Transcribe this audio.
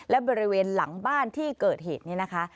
และบริเวณหลังบ้านที่เกิดเหตุนี้นะคะ